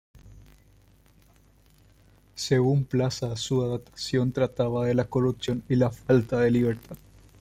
Según Plaza, su adaptación trataba de la corrupción y la falta de libertad.